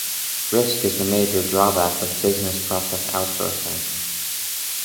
Risk is the major drawback with business process outsourcing.